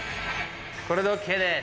これでＯＫです。